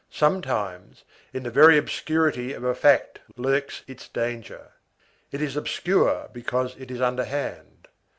Sometimes, in the very obscurity of a fact lurks its danger. It is obscure because it is underhand.